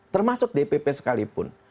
termasuk dpp sekalipun